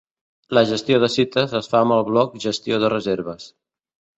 La gestió de cites, es fa amb el bloc gestió de reserves.